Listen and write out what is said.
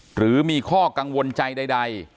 หรือมีข้อกังวลใจใด